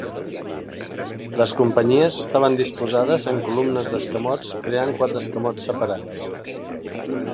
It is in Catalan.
Les companyies estaven disposades en columnes d'escamots, creant quatre escamots separats.